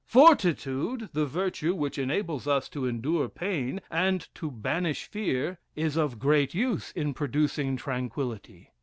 "Fortitude, the virtue which enables us to endure pain, and to banish fear, is of great use in producing tranquillity.